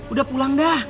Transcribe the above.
udah pulang dah